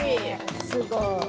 すごい。